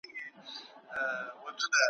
وخته! ته ولې حقـــيقت پهٔ افــــــــسانو بدلوې